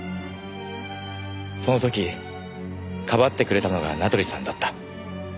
その時かばってくれたのが名取さんだった。